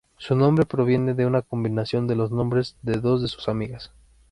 Su nombre proviene de una combinación de los nombres de dos de sus amigas.